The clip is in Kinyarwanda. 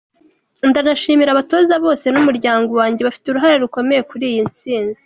Ndanashimira abatoza bose n’umuryango wanjye bafite uruhare rukomeye kuri iyi ntsinzi.